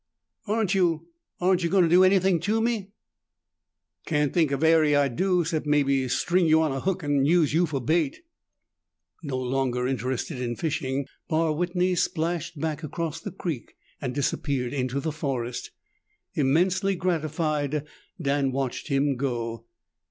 "Aren't you Aren't you going to do anything to me?" "Can't think of ary I'd do, 'cept mebbe string you on the hook an' use you for bait." No longer interested in fishing, Barr Whitney splashed back across the creek and disappeared in the forest. Immensely gratified, Dan watched him go.